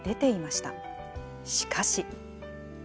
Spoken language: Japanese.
しかし。